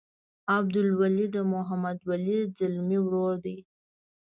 عبدالولي د محمد ولي ځلمي ورور دی.